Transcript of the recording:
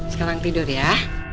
sekarang tidur ya